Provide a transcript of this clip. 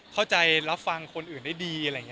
เข้าใจแล้วฟังคนอื่นได้ดี